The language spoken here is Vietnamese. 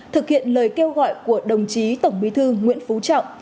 thực hiện lời kêu gọi của đồng chí tổng bí thư nguyễn phú trọng